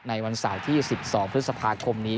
ในวันสายที่๑๒พฤษภาคมนี้